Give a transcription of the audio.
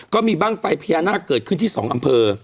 ก็มีบ้างไฟพญานาคเกิดขึ้นที่๒อำเภอ